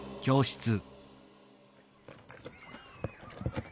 教室？